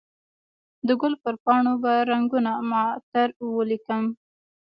د ګل پر پاڼو به رنګونه معطر ولیکم